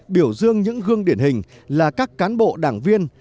biểu dương những gương điển hình là các cán bộ đảng viên